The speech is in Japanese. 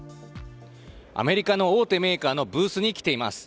アメリカの大手メーカーのブースに来ています。